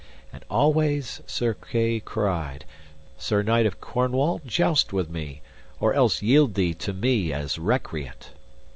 And alway Sir Kay cried: Sir knight of Cornwall, joust with me, or else yield thee to me as recreant.